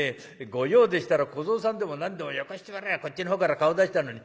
御用でしたら小僧さんでも何でもよこしてもらえばこっちの方から顔出したのに。